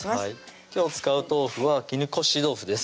今日使う豆腐は絹こし豆腐です